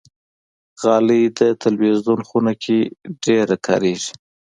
غالۍ د تلویزون خونه کې ډېره کاریږي.